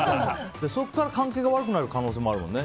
そこから関係が悪くなる可能性もあるもんね。